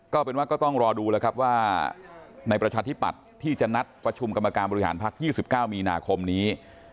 ก็เป็นว่าก็ต้องรอดูแล้วครับว่าในประชาธิปัตย์ที่จะนัดประชุมกรรมการบริหารพัก๒๙มีนาคมนี้